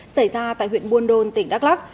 xảy ra tại huyện buôn đôn tỉnh đắk lắc